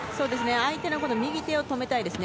相手の右手を止めたいですね。